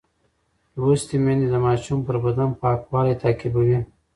لوستې میندې د ماشوم پر بدن پاکوالی تعقیبوي.